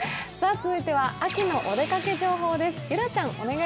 続いては秋のお出かけ情報です。